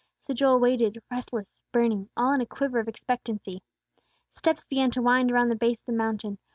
So Joel waited, restless, burning, all in a quiver of expectancy. Steps began to wind around the base of the mountain.